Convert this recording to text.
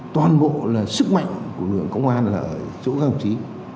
toàn bộ là sức mạnh của lượng công an là ở chỗ các ông chí